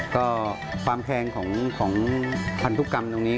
ก็ความแคงของพันธุกรรมตรงนี้